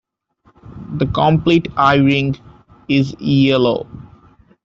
The complete eye-ring is yellow.